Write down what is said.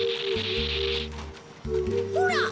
ほら。